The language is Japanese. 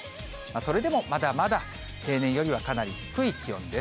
それでもまだまだ平年よりはかなり低い気温です。